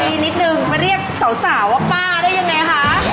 นิดนึงไปเรียกสาวว่าป้าได้ยังไงคะ